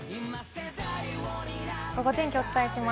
ゴゴ天気をお伝えします。